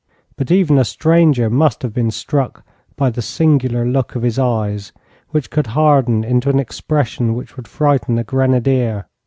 But even a stranger must have been struck by the singular look of his eyes, which could harden into an expression which would frighten a grenadier.